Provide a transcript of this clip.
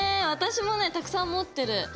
私もねたくさん持ってる！